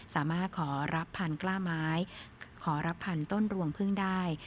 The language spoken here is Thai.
สามารถขอรับพันธุ์กล้าไม้ขอรับพันธุรวงพึ่งได้